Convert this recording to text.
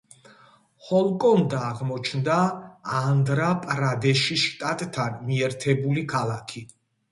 ჰოლკონდა აღმოჩნდა ანდჰრა-პრადეშის შტატთან მიერთებული ქალაქი.